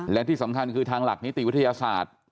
และที่สำคัญคือทางหลักนิติวิทยาศาสตร์